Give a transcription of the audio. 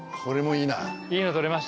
いいの撮れました？